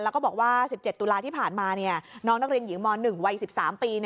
แล้วก็บอกว่า๑๗ตุลาที่ผ่านมาน้องนักเรียนหญิงม๑วัย๑๓ปี